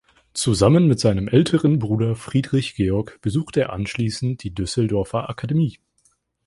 Zusammen mit seinem älteren Bruder Friedrich Georg besuchte er anschließend die Düsseldorfer Akademie.